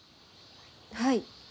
はい。